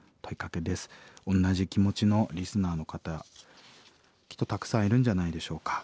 おんなじ気持ちのリスナーの方きっとたくさんいるんじゃないでしょうか。